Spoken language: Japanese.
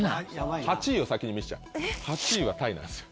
８位を先に見しちゃう８位はタイなんですよ。